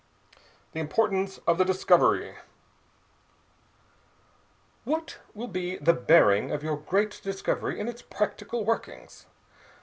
THE IMPORTANCE OF THE DISCOVERY "What will be the bearing of your great discovery in its practical workings?"